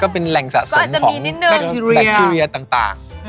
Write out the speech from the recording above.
เป็นแหล่งสะสมของแบคทีเรียต่าง